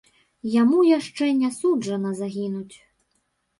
Яму яшчэ не суджана загінуць.